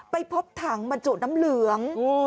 ไปพบถังมันโจทย์น้ำเหลือง